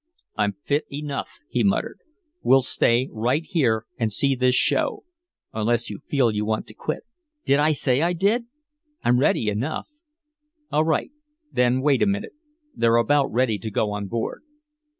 "I'm fit enough," he muttered. "We'll stay right here and see this show unless you feel you want to quit " "Did I say I did? I'm ready enough " "All right, then wait a minute. They're about ready to go on board."